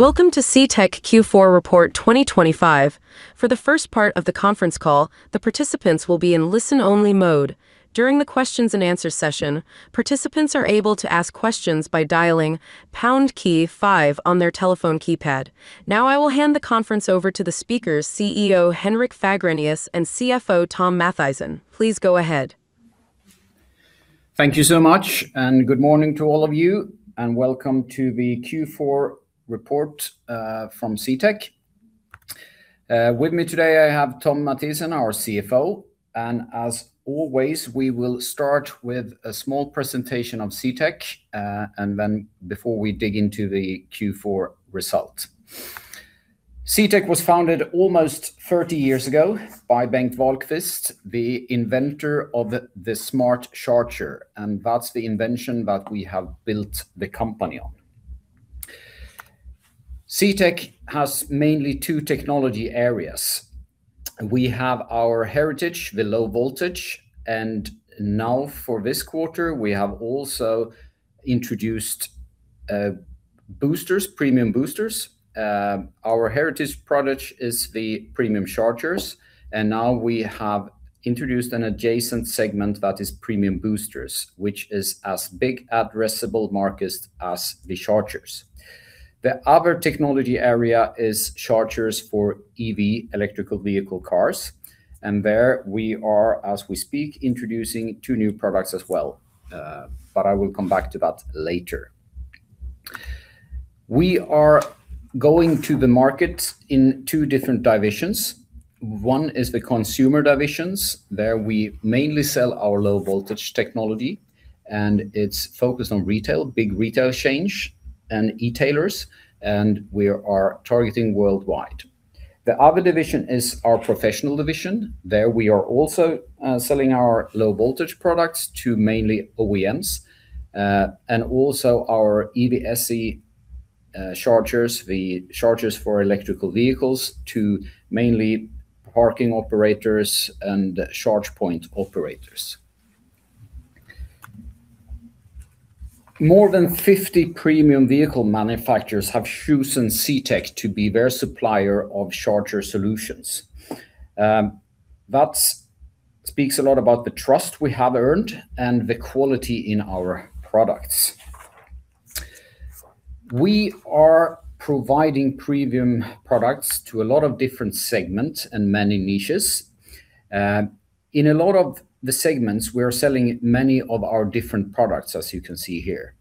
Welcome to CTEK Q4 Report 2025. For the first part of the conference call, the participants will be in listen-only mode. During the Q&A session, participants are able to ask questions by dialing pound key five on their telephone keypad. Now, I will hand the conference over to the speakers, CEO Henrik Fagrenius and CFO Thom Mathisen. Please go ahead. Thank you so much, and good morning to all of you, and welcome to the Q4 report from CTEK. With me today, I have Thom Mathisen, our CFO, and as always, we will start with a small presentation of CTEK, and then before we dig into the Q4 result. CTEK was founded almost 30 years ago by Bengt Wahlqvist, the inventor of the smart charger, and that's the invention that we have built the company on. CTEK has mainly two technology areas. We have our heritage, the Low Voltage, and now for this quarter, we have also introduced boosters, premium boosters. Our heritage product is the premium chargers, and now we have introduced an adjacent segment that is premium boosters, which is as big addressable market as the chargers. The other technology area is chargers for EV, electric vehicle cars, and there we are, as we speak, introducing two new products as well. But I will come back to that later. We are going to the market in two different divisions. One is the consumer divisions. There we mainly sell our low-voltage technology, and it's focused on retail, big retail chains, and e-tailers, and we are targeting worldwide. The other division is our professional division. There we are also selling our low-voltage products to mainly OEMs, and also our EVSE chargers, the chargers for electric vehicles, to mainly parking operators and charge point operators. More than 50 premium vehicle manufacturers have chosen CTEK to be their supplier of charger solutions. That speaks a lot about the trust we have earned and the quality in our products. We are providing premium products to a lot of different segments and many niches. In a lot of the segments, we are selling many of our different products, as you can see here.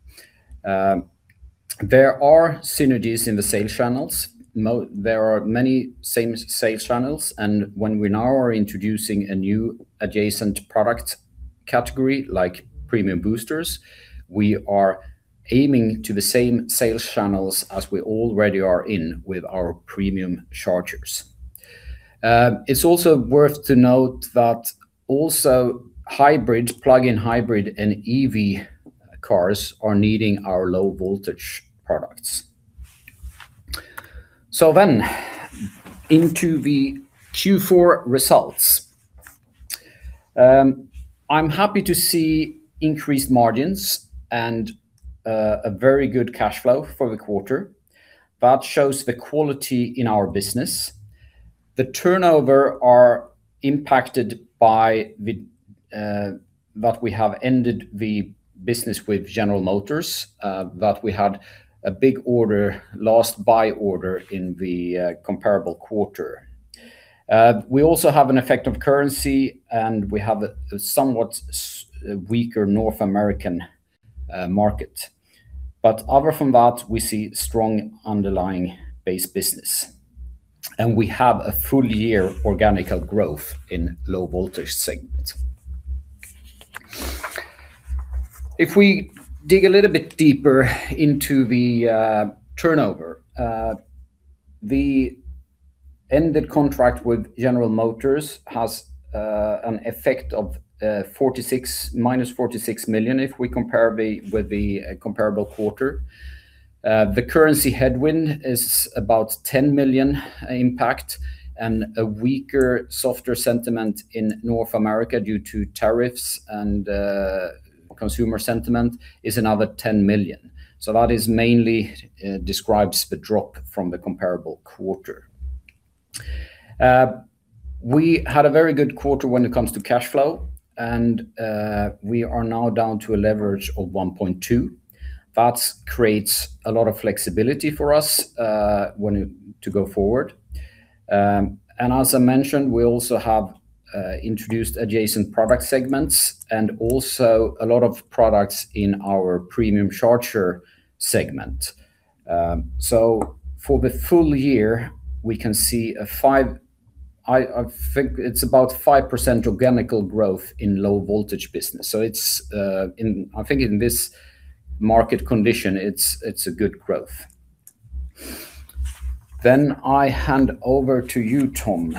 There are synergies in the sales channels. There are many same sales channels, and when we now are introducing a new adjacent product category, like premium boosters, we are aiming to the same sales channels as we already are in with our premium chargers. It's also worth to note that also hybrid, plug-in hybrid and EV cars are needing our low-voltage products. So then into the Q4 results. I'm happy to see increased margins and, a very good cash flow for the quarter. That shows the quality in our business. The turnover are impacted by the. that we have ended the business with General Motors, that we had a big order lost big order in the comparable quarter. We also have an effect of currency, and we have a somewhat weaker North American market. But other than that, we see strong underlying base business, and we have full year organic growth in low-voltage segments. If we dig a little bit deeper into the turnover, the ended contract with General Motors has an effect of minus 46 million, if we compare with the comparable quarter. The currency headwind is about 10 million impact and a weaker, softer sentiment in North America due to tariffs and consumer sentiment is another 10 million. So that mainly describes the drop from the comparable quarter. We had a very good quarter when it comes to cash flow, and we are now down to a leverage of 1.2. That creates a lot of flexibility for us when to go forward. And as I mentioned, we also have introduced adjacent product segments and also a lot of products in our premium charger segment. So for the full year, we can see a 5% organic growth in low-voltage business. So it's in this market condition, I think it's a good growth. Then I hand over to you, Thom.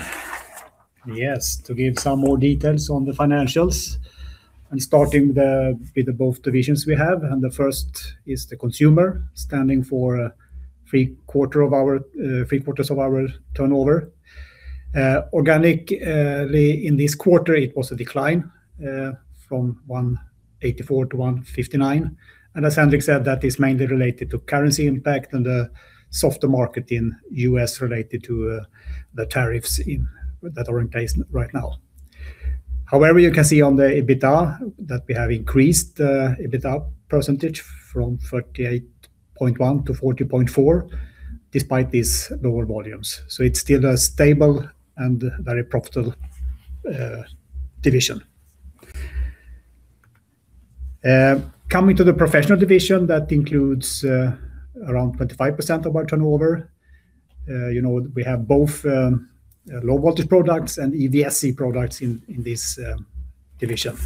Yes, to give some more details on the financials, I'm starting with both divisions we have, and the first is the consumer, standing for three quarters of our turnover. Organically, in this quarter, it was a decline from 184 to 159. And as Henrik said, that is mainly related to currency impact and the softer market in U.S. related to the tariffs that are in place right now. However, you can see on the EBITDA that we have increased EBITDA percentage from 48.1% to 40.4%, despite these lower volumes. So it's still a stable and very profitable division. Coming to the professional division, that includes around 25% of our turnover. You know, we have both low-voltage products and EVSE products in this division.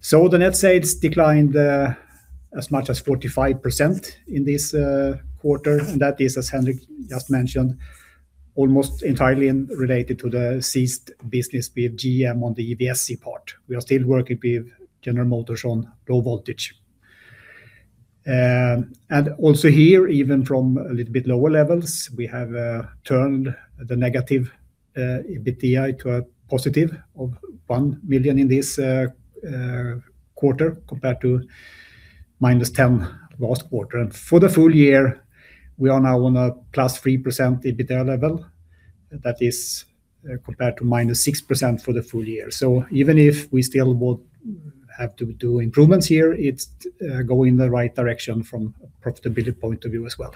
So the net sales declined, as much as 45% in this quarter, and that is, as Henrik just mentioned, almost entirely related to the ceased business with GM on the EVSE part. We are still working with General Motors on low voltage. And also here, even from a little bit lower levels, we have turned the negative EBITDA to a positive of 1 million in this quarter, compared to -10 million last quarter. And for the full year, we are now on a +3% EBITDA level. That is, compared to -6% for the full year. So even if we still would have to do improvements here, it's going in the right direction from a profitability point of view as well.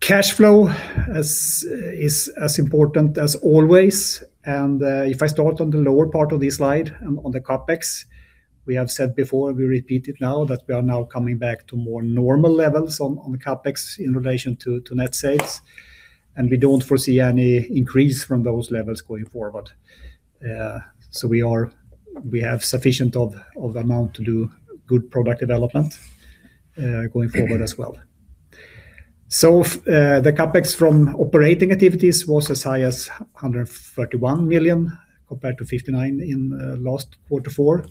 Cash flow is as important as always, and if I start on the lower part of this slide, on the CapEx, we have said before, we repeat it now, that we are now coming back to more normal levels on CapEx in relation to net sales, and we don't foresee any increase from those levels going forward. So we have sufficient amount to do good product development going forward as well. So the CapEx from operating activities was as high as 131 million, compared to 59 million in last quarter four.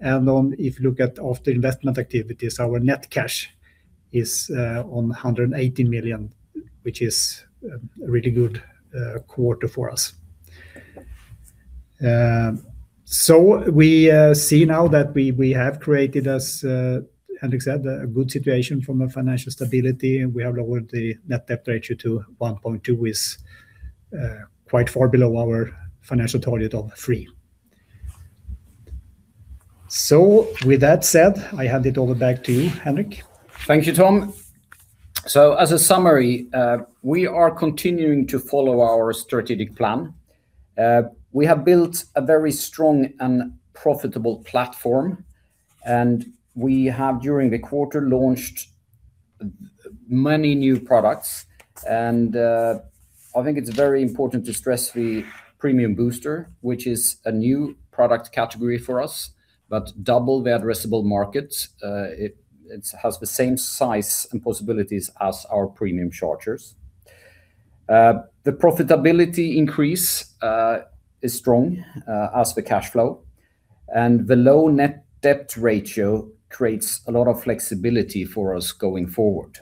If you look at after investment activities, our net cash is on 118 million, which is a really good quarter for us. So we see now that we have created, as Henrik said, a good situation from a financial stability, and we have lowered the net debt ratio to 1.2 is quite far below our financial target of 3. So with that said, I hand it over back to you, Henrik. Thank you, Thom. So as a summary, we are continuing to follow our strategic plan. We have built a very strong and profitable platform, and we have, during the quarter, launched many new products. And, I think it's very important to stress the premium booster, which is a new product category for us, but double the addressable markets. It has the same size and possibilities as our premium chargers. The profitability increase is strong, as the cash flow, and the low net debt ratio creates a lot of flexibility for us going forward.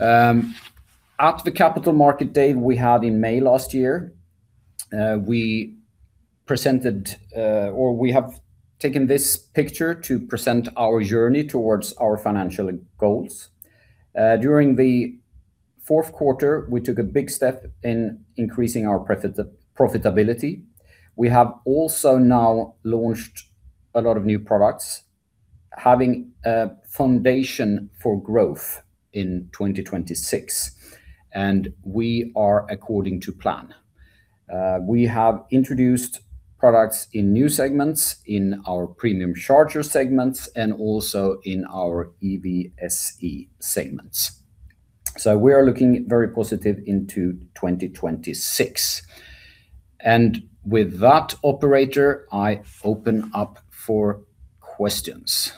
At the Capital Markets Day we had in May last year, we presented, or we have taken this picture to present our journey towards our financial goals. During the fourth quarter, we took a big step in increasing our profitability. We have also now launched a lot of new products, having a foundation for growth in 2026, and we are according to plan. We have introduced products in new segments, in our premium charger segments, and also in our EVSE segments. We are looking very positive into 2026. With that, operator, I open up for questions.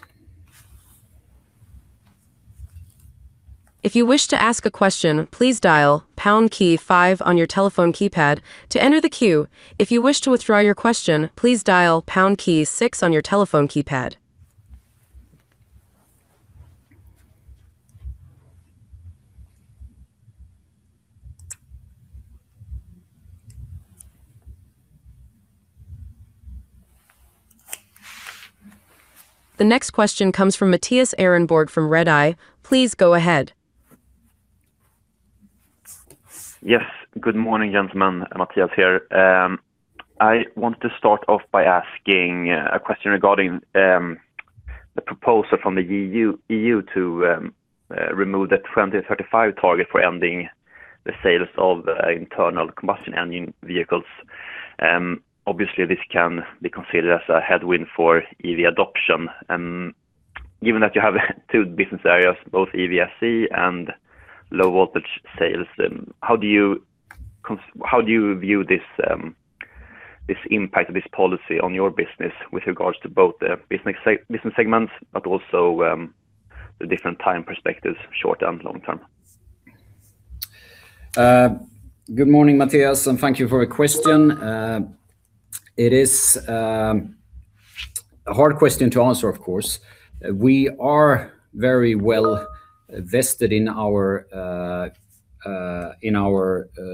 If you wish to ask a question, please dial pound key five on your telephone keypad to enter the queue. If you wish to withdraw your question, please dial pound key six on your telephone keypad. The next question comes from Mattias Ehrenborg, from Redeye. Please go ahead. Yes. Good morning, gentlemen. Mattias here. I want to start off by asking a question regarding the proposal from the EU to remove the 2035 target for ending the sales of internal combustion engine vehicles. Obviously, this can be considered as a headwind for EV adoption, given that you have two business areas, both EVSE and low-voltage sales, how do you view this impact of this policy on your business with regards to both the business segments, but also the different time perspectives, short and long term? Good morning, Mattias, and thank you for your question. It is a hard question to answer, of course. We are very well-vested in our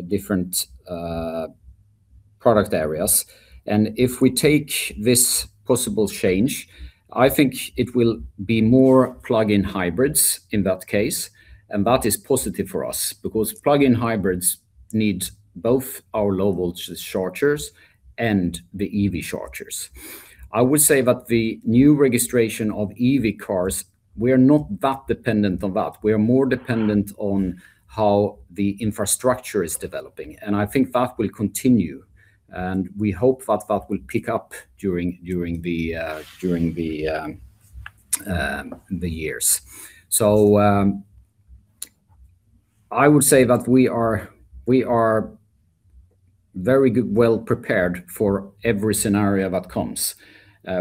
different product areas. And if we take this possible change, I think it will be more plug-in hybrids in that case, and that is positive for us because plug-in hybrids need both our low-voltage chargers and the EV chargers. I would say that the new registration of EV cars, we are not that dependent on that. We are more dependent on how the infrastructure is developing, and I think that will continue, and we hope that that will pick up during the years. So, I would say that we are very well prepared for every scenario that comes.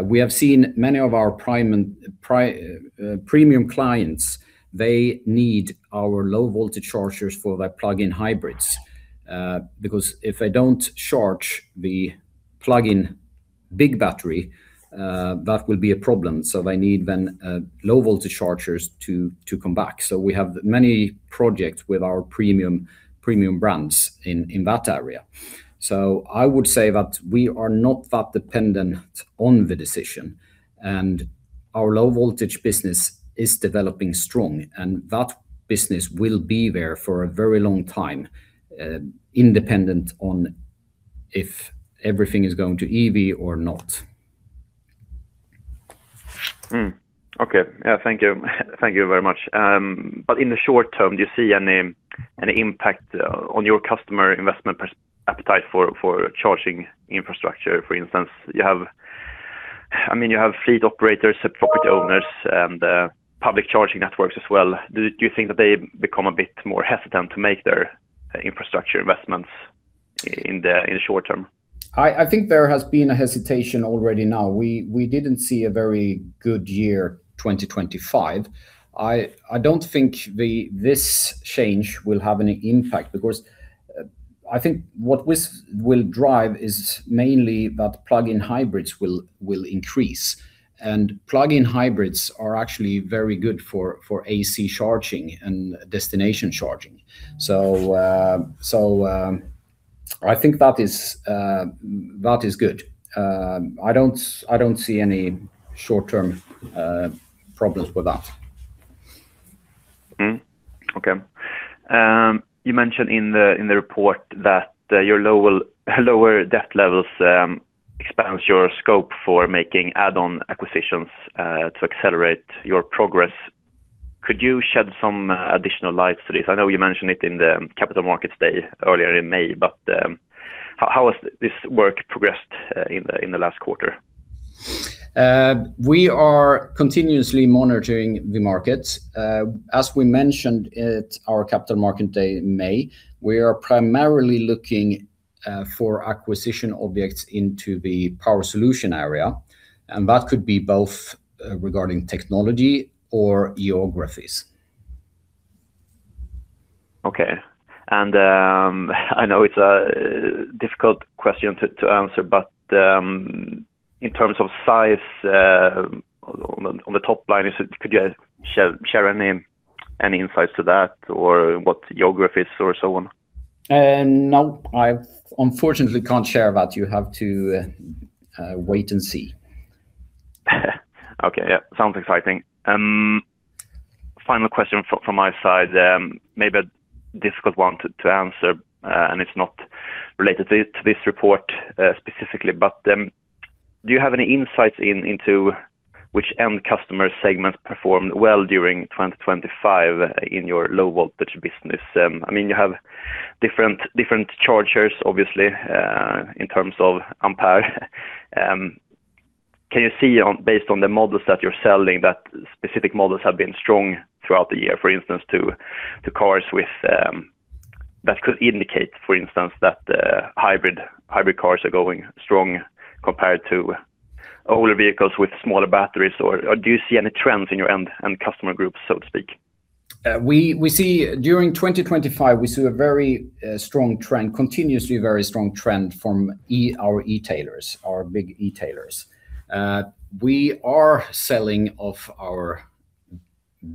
We have seen many of our premium clients. They need our low-voltage chargers for their plug-in hybrids. Because if they don't charge the plug-in big battery, that will be a problem. So they need low-voltage chargers to come back. We have many projects with our premium brands in that area. So I would say that we are not that dependent on the decision, and our low-voltage business is developing strong, and that business will be there for a very long time, independent on if everything is going to EV or not. Okay. Yeah, thank you. Thank you very much. But in the short term, do you see any impact on your customer investment appetite for charging infrastructure? For instance, you have... I mean, you have fleet operators, property owners, and public charging networks as well. Do you think that they become a bit more hesitant to make their infrastructure investments in the short term? I think there has been a hesitation already now. We didn't see a very good year 2025. I don't think this change will have any impact because I think what this will drive is mainly that plug-in hybrids will increase, and plug-in hybrids are actually very good for AC charging and destination charging. So, I think that is good. I don't see any short-term problems with that. Okay. You mentioned in the report that your lower debt levels expands your scope for making add-on acquisitions to accelerate your progress. Could you shed some additional light to this? I know you mentioned it in the Capital Markets Day earlier in May, but how has this work progressed in the last quarter? We are continuously monitoring the markets. As we mentioned at our Capital Market Day in May, we are primarily looking for acquisition objects into the power solutions area, and that could be both regarding technology or geographies. Okay. And I know it's a difficult question to answer, but in terms of size on the top line, could you share any insights to that or what geographies or so on? No, I unfortunately can't share that. You have to wait and see. Okay. Yeah, sounds exciting. Final question from my side, maybe a difficult one to answer, and it's not related to this report specifically, but do you have any insights into which end customer segments performed well during 2025 in your low-voltage business? I mean, you have different chargers, obviously, in terms of ampere. Can you see based on the models that you're selling, that specific models have been strong throughout the year, for instance, to cars with. That could indicate, for instance, that hybrid cars are going strong compared to older vehicles with smaller batteries? Or do you see any trends in your end customer groups, so to speak? We saw during 2025 a very strong trend, continuously very strong trend from our e-tailers, our big e-tailers. We are selling off our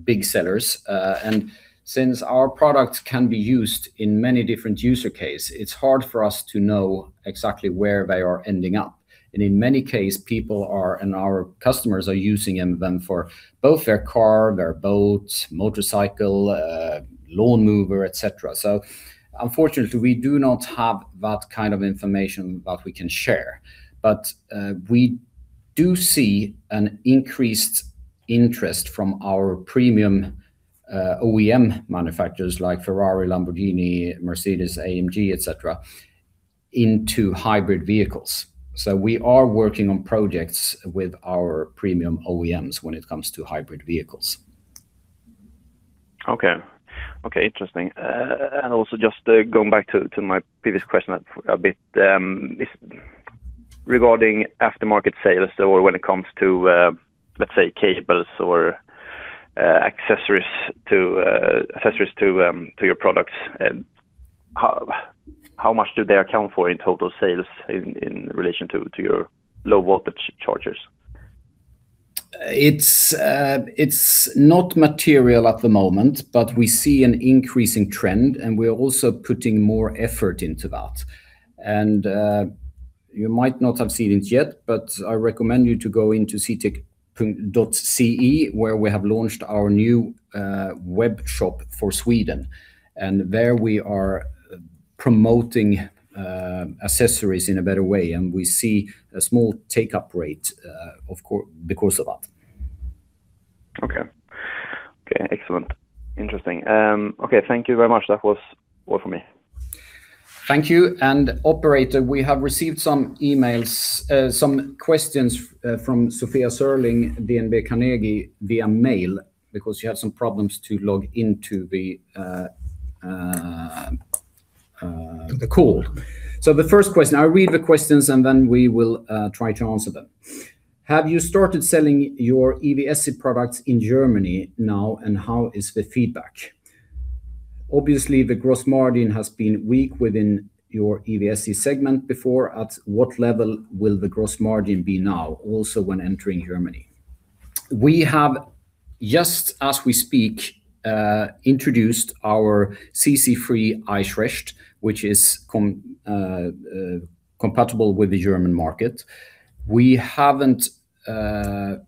big sellers, and since our products can be used in many different use cases, it's hard for us to know exactly where they are ending up. And in many cases, people are, and our customers are using them for both their car, their boat, motorcycle, lawnmower, et cetera. So unfortunately, we do not have that kind of information that we can share. But we do see an increased interest from our premium OEM manufacturers like Ferrari, Lamborghini, Mercedes-AMG, et cetera, into hybrid vehicles. So we are working on projects with our premium OEMs when it comes to hybrid vehicles. Okay. Okay, interesting. And also just going back to my previous question a bit, regarding aftermarket sales or when it comes to, let's say, cables or accessories to your products, how much do they account for in total sales in relation to your low-voltage chargers? It's not material at the moment, but we see an increasing trend, and we're also putting more effort into that. You might not have seen it yet, but I recommend you to go into CTEK.se, where we have launched our new web shop for Sweden, and there we are promoting accessories in a better way, and we see a small take-up rate, of course, because of that. Okay. Okay, excellent. Interesting. Okay, thank you very much. That was all for me. Thank you, and operator, we have received some emails, some questions, from Sofia Sörling, DNB Carnegie, via mail because she had some problems to log into the, the call. So the first question. I'll read the questions, and then we will, try to answer them. "Have you started selling your EVSE products in Germany now, and how is the feedback? Obviously, the gross margin has been weak within your EVSE segment before. At what level will the gross margin be now, also when entering Germany?" We have, just as we speak, introduced our CC3 Eichrecht, which is compatible with the German market. We haven't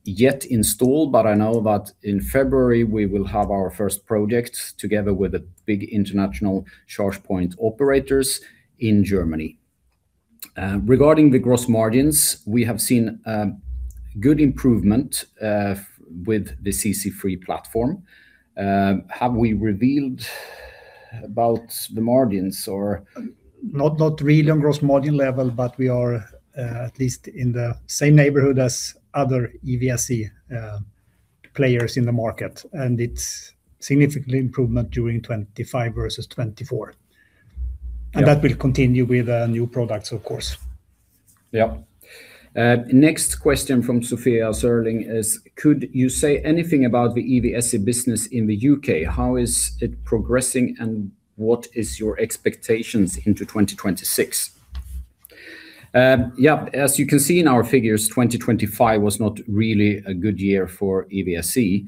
yet installed, but I know that in February we will have our first project together with the big international charge point operators in Germany. Regarding the gross margins, we have seen a good improvement with the CC3 platform. Have we revealed about the margins or Not, not really on gross margin level, but we are at least in the same neighborhood as other EVSE players in the market, and it's significant improvement during 2025 versus 2024. Yeah. That will continue with new products, of course. Yeah. Next question from Sofia Sörling is: "Could you say anything about the EVSE business in the UK? How is it progressing, and what is your expectations into 2026?" Yeah, as you can see in our figures, 2025 was not really a good year for EVSE.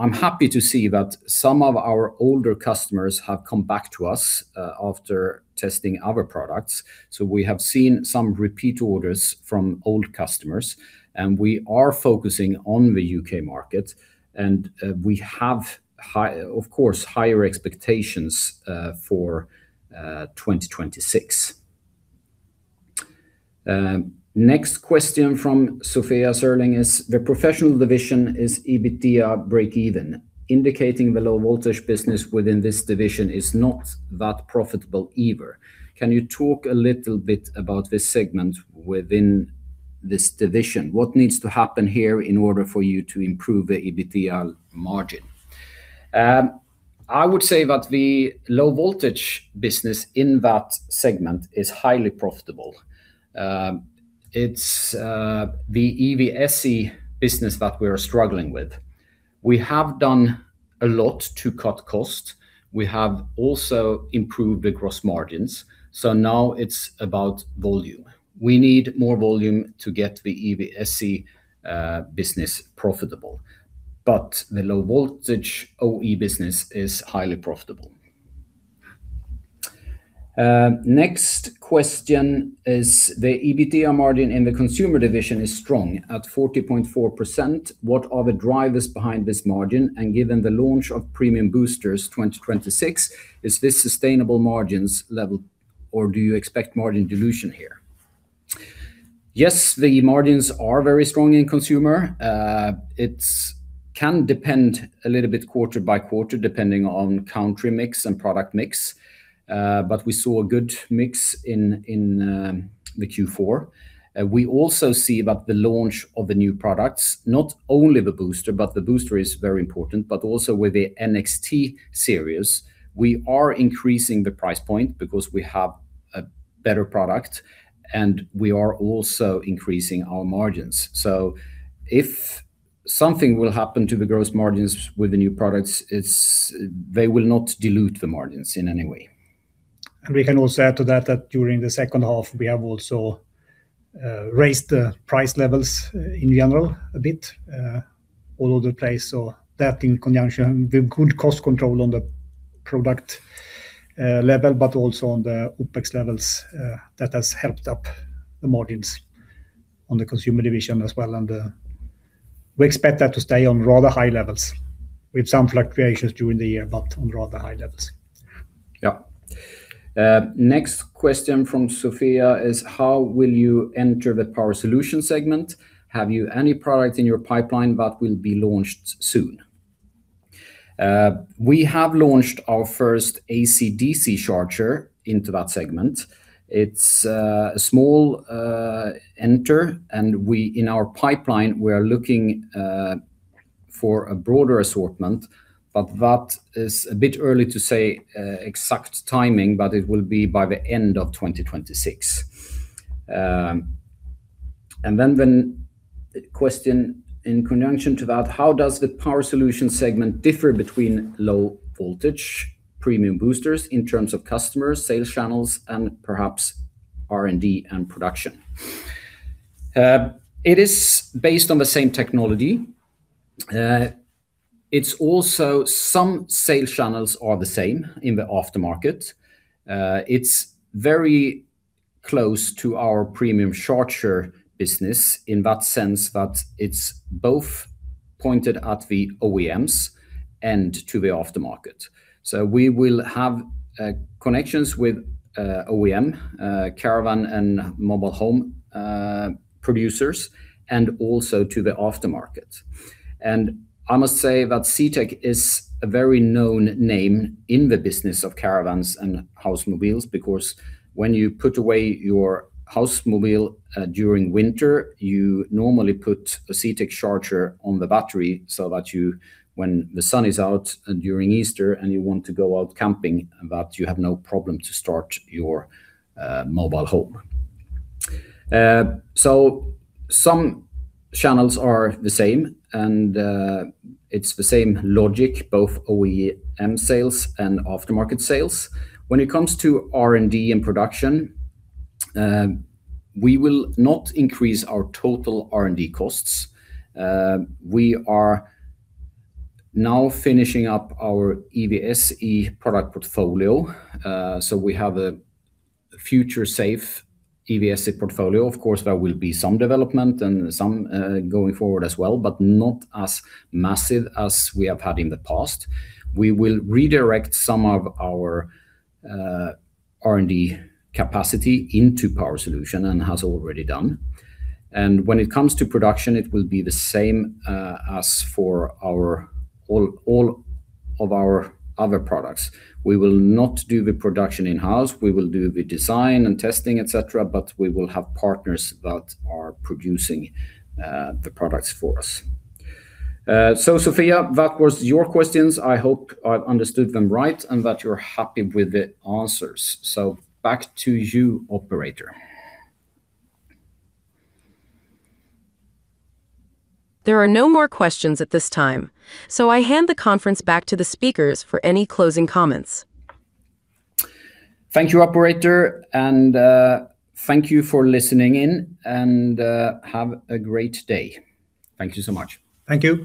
I'm happy to see that some of our older customers have come back to us after testing other products, so we have seen some repeat orders from old customers, and we are focusing on the UK market, and, of course, higher expectations for 2026. Next question from Sofia Sörling is: "The Professional Division is EBITDA break even, indicating the low-voltage business within this division is not that profitable either. Can you talk a little bit about this segment within this division? What needs to happen here in order for you to improve the EBITDA margin?" I would say that the low-voltage business in that segment is highly profitable. It's the EVSE business that we're struggling with. We have done a lot to cut costs. We have also improved the gross margins, so now it's about volume. We need more volume to get the EVSE business profitable, but the low-voltage OE business is highly profitable. Next question is, "The EBITDA margin in the Consumer Division is strong at 40.4%. What are the drivers behind this margin? And given the launch of premium boosters 2026, is this sustainable margins level, or do you expect margin dilution here?" Yes, the margins are very strong in consumer. It can depend a little bit quarter by quarter, depending on country mix and product mix. We saw a good mix in the Q4. We also see that the launch of the new products, not only the booster, but the booster is very important, but also with the NXT Series, we are increasing the price point because we have a better product, and we are also increasing our margins. So if something will happen to the gross margins with the new products, they will not dilute the margins in any way. And we can also add to that, that during the second half, we have also raised the price levels in general a bit all over the place. So that in conjunction with good cost control on the product level but also on the OpEx levels, that has helped up the margins on the Consumer Division as well, and we expect that to stay on rather high levels with some fluctuations during the year but on rather high levels. Yeah. Next question from Sofia is, "How will you enter the power solutions segment? Have you any product in your pipeline that will be launched soon?" We have launched our first AC/DC charger into that segment. It's a small entry, and we, in our pipeline, we are looking for a broader assortment, but that is a bit early to say exact timing, but it will be by the end of 2026. And then the question in conjunction to that, how does the power solutions segment differ between low voltage premium boosters in terms of customers, sales channels, and perhaps R&D and production? It is based on the same technology. It's also some sales channels are the same in the aftermarket. It's very close to our premium charger business in that sense that it's both pointed at the OEMs and to the aftermarket. So we will have connections with OEM, caravan, and mobile home producers, and also to the aftermarket. And I must say that CTEK is a very known name in the business of caravans and house mobiles, because when you put away your house mobile during winter, you normally put a CTEK charger on the battery so that when the sun is out and during Easter and you want to go out camping, that you have no problem to start your mobile home. So some channels are the same, and it's the same logic, both OEM sales and aftermarket sales. When it comes to R&D and production, we will not increase our total R&D costs. We are now finishing up our EVSE product portfolio, so we have a future-safe EVSE portfolio. Of course, there will be some development and some going forward as well, but not as massive as we have had in the past. We will redirect some of our R&D capacity into power solution and has already done. When it comes to production, it will be the same as for our all, all of our other products. We will not do the production in-house, we will do the design and testing, et cetera, but we will have partners that are producing the products for us. So Sofia, that was your questions. I hope I've understood them right and that you're happy with the answers. Back to you, operator. There are no more questions at this time, so I hand the conference back to the speakers for any closing comments. Thank you, operator, and thank you for listening in, and have a great day. Thank you so much. Thank you.